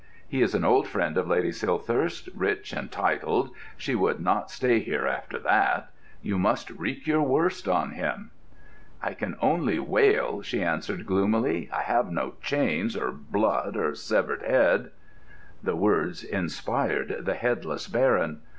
He is an old friend of Lady Silthirsk, rich and titled; she would not stay here after that. You must wreak your worst on him." "I can only wail," she answered gloomily; "I have no chains, or blood, or severed head——" The words inspired the headless Baron.